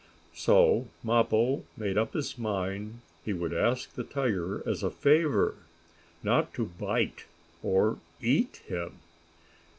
So Mappo made up his mind he would ask the tiger, as a favor, not to bite or eat him.